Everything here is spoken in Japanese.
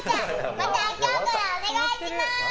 また今日からよろしくお願いします！